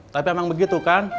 tapi emang begitu kan